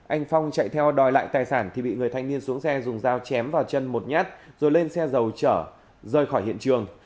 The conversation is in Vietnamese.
anh phong chạy theo đòi lại tài sản thì bị người thanh niên xuống xe dùng dao chém vào chân một nhát rồi lên xe dầu trở rời khỏi hiện trường